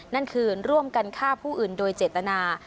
นั่นคือร่วมกันฆ่าผู้อื่นโดยเจตนา